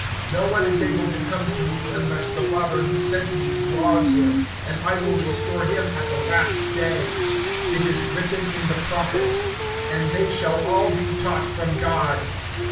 (44)No one can come to me, except the Father who sent me draw him; and I will raise him up at the last day. (45)It is written in the prophets: And they shall all be taught of God.